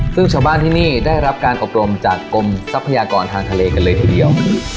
ซึ่งชาวบ้านที่นี่ได้รับการอบรมจากกรมทรัพยากรทางทะเลกันเลยทีเดียว